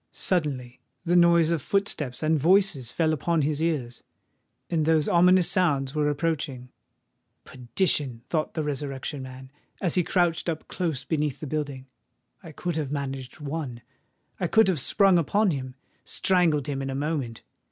Suddenly the noise of footsteps and of voices fell upon his ears; and those ominous sounds were approaching. "Perdition!" thought the Resurrection Man, as he crouched up close beneath the building: "I could have managed one—I could have sprung upon him—strangled him in a moment.